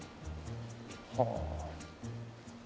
はあ。